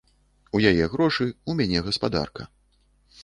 У яе грошы, у мяне гаспадарка.